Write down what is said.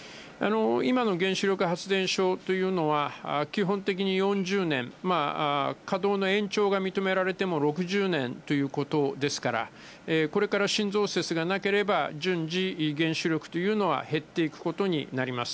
今の原子力発電所というのは、基本的に４０年、稼働の延長が認められても６０年ということですから、これから新増設がなければ、順次、原子力というのは減っていくことになります。